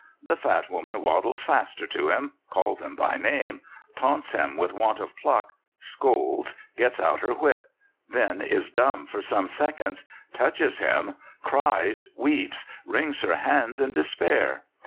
The fat woman waddles faster to him, calls him by name, taunts him with want of pluck, scolds, gets out her whip; then is dumb for some seconds, touches him, cries, weeps, wrings her hands in despair.